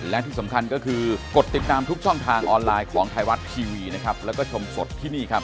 และที่สำคัญก็คือกดติดตามทุกช่องทางออนไลน์ของไทยรัฐทีวีนะครับแล้วก็ชมสดที่นี่ครับ